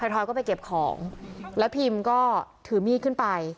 ทอยก็ไปเก็บของแล้วพิมก็ถือมีดขึ้นไป